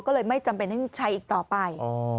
ก็เลยไม่จำเป็นต้องใช้อีกต่อไป